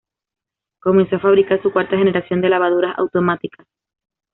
Comenzó a fabricar su cuarta generación de lavadoras automáticas.